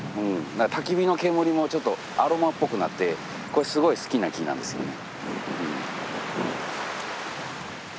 焚き火の煙もちょっとアロマっぽくなってこれすごい好きな木なんですよね。